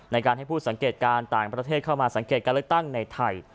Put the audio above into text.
ในการให้ผู้สังเกตการณ์ต่างประเทศเข้ามาสังเกตการเลือกตั้งในไทย